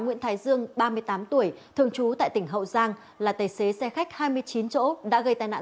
nguyễn thái dương ba mươi tám tuổi thường trú tại tỉnh hậu giang là tài xế xe khách hai mươi chín chỗ đã gây tai nạn